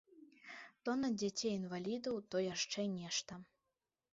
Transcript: То на дзяцей інвалідаў, то яшчэ нешта.